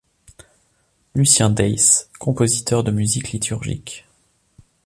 Lucien Deiss, compositeur de musique liturgique.